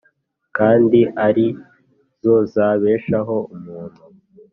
kandi ari zo zabeshaho umuntu